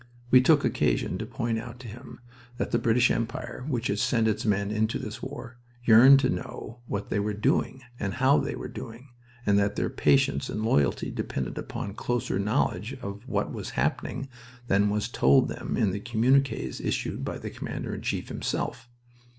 We took occasion to point out to him that the British Empire, which had sent its men into this war, yearned to know what they were doing and how they were doing, and that their patience and loyalty depended upon closer knowledge of what was happening than was told them in the communiques issued by the Commander in Chief himself.